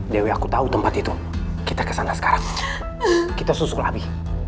dewi aku tahu tempat itu kita kesana sekarang kita susu kelabi